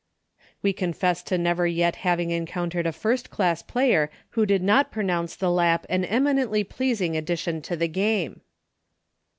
We confess to never yet having encountered a first class player who did not pronounce the Lap an eminently pleasing ad dition to the game.